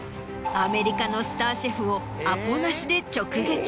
アメリカのスターシェフをアポなしで直撃。